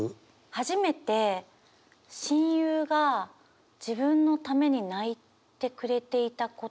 初めて親友が自分のために泣いてくれていたことを知った。